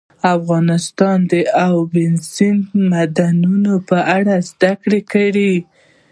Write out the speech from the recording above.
افغانستان کې د اوبزین معدنونه په اړه زده کړه کېږي.